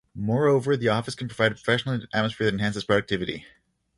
Moreover, the office can provide a professional atmosphere that enhances productivity.